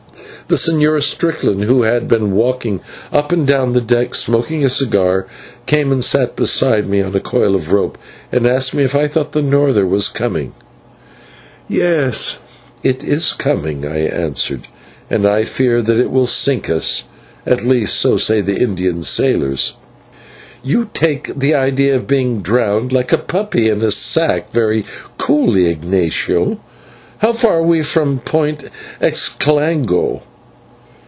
The Señor Strickland, who had been walking up and down the deck smoking a cigar, came and sat beside me on a coil of rope, and asked me if I thought the norther was coming. "Yes, it is coming," I answered, "and I fear that it will sink us, at least so say the Indian sailors." "You take the idea of being drowned like a puppy in a sack very coolly, Ignatio. How far are we from Point Xicalango?"